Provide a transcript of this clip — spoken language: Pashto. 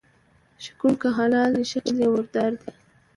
شکوڼ که حلال ده شکل یي د مردار ده.